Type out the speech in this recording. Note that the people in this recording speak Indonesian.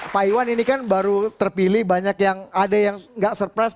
pak iwan ini kan baru terpilih banyak yang ada yang nggak surprise